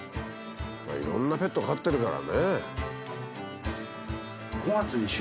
まあいろんなペット飼ってるからね。